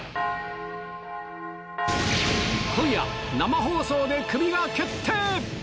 今夜、生放送でクビが決定。